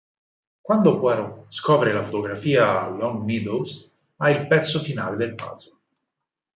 Quando Poirot scopre la fotografia a Long Meadows, ha il pezzo finale del puzzle.